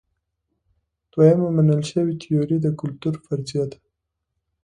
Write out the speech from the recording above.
دویمه منل شوې تیوري د کلتور فرضیه ده.